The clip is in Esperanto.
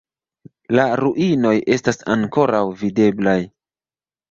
La ruinoj estas ankoraŭ videblaj.